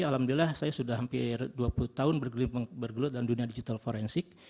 alhamdulillah saya sudah hampir dua puluh tahun bergelut dalam dunia digital forensik